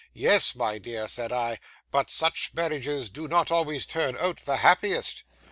"Yes, my dear," said I, "but such marriages do not always turn out the happiest."